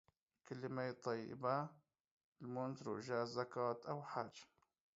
کليمه طيبه، لمونځ، روژه، زکات او حج.